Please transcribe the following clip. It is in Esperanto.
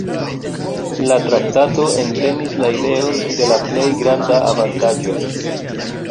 La traktato entenis la ideon de la plej granda avantaĝo.